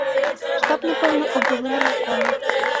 Штаб, напэўна, у былым рэўкоме.